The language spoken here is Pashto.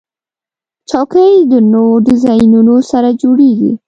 چوکۍ د نوو ډیزاینونو سره جوړیږي.